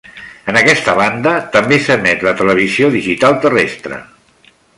En aquesta banda també s'emet la televisió digital terrestre.